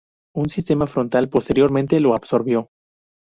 Un sistema frontal posteriormente lo absorbió.